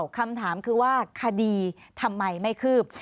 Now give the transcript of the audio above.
คำถามคือว่าคดีทำไมไม่คืบ